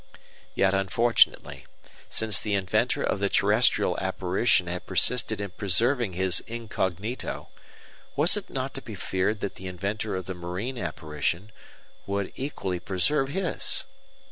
Yet unfortunately, since the inventor of the terrestrial apparition had persisted in preserving his incognito, was it not to be feared that the inventor of the marine apparition would equally preserve his?